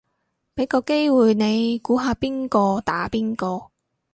俾個機會你估下邊個打邊個